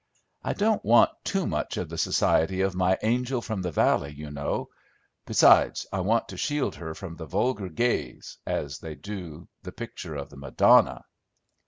I don't want too much of the society of my angel from the valley, you know; besides, I want to shield her from the vulgar gaze, as they do the picture of the Madonna."